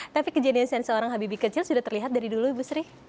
tapi kejeniusan seorang habibie kecil sudah terlihat dari dulu ibu sri